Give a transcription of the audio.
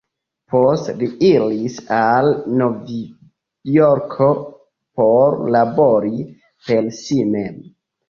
Poste li iris al Novjorko por labori per si mem.